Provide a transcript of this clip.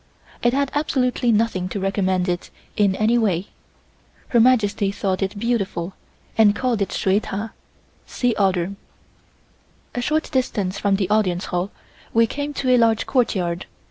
It had absolutely nothing to recommend it in any way. Her Majesty thought it beautiful, and called it Shui Ta (Sea Otter). A short distance from the Audience Hall we came to a large courtyard.